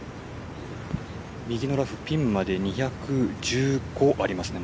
右のラフピンまで２１５ありますね、